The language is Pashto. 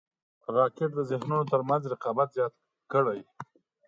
راکټ د ذهنونو تر منځ رقابت زیات کړی